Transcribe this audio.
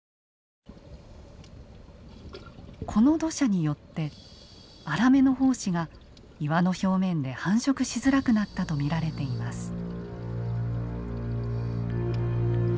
この土砂によってアラメの胞子が岩の表面で繁殖しづらくなったと見られています。